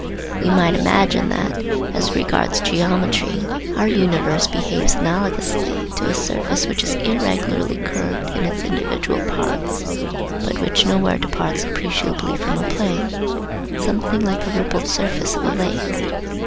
We might imagine that, as regards geometry, our universe behaves analogously to a surface which is irregularly curved in its individual parts, but which nowhere departs appreciably from a plane: something like the rippled surface of a lake.